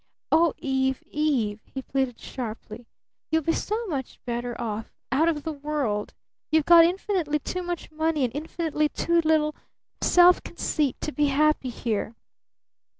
Oh, Eve Eve," he pleaded sharply, "you'll be so much better off out of the world! You've got infinitely too much money and infinitely too little self conceit to be happy here!